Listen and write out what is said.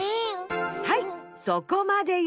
はいそこまでよ。